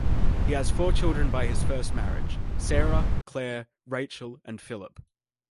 He has four children by his first marriage, Sarah, Claire, Rachel and Philip.